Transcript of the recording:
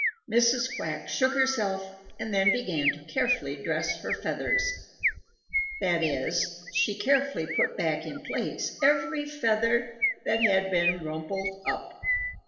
Mrs. Quack shook herself and then began to carefully dress her feathers. That is, she carefully put back in place every feather that had been rumpled up.